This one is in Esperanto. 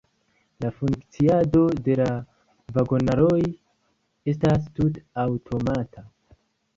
La funkciado de la vagonaroj estas tute aŭtomata.